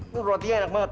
ini roti nya enak banget